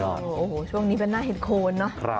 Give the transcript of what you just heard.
โอ้โหช่วงนี้เป็นหน้าเห็ดโคนเนอะ